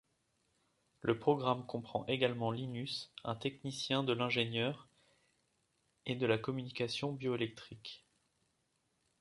Le programme comprend également Linus, un technicien de l'ingénieur et de la communication bioélectrique.